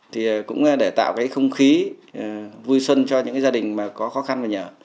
thì cũng để tạo cái không khí vui xuân cho những gia đình mà có khó khăn và nhở